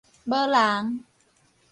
無人